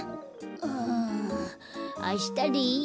うんあしたでいいよ。